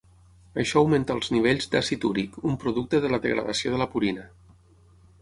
Això augmenta els nivells d'àcid úric, un producte de la degradació de la purina.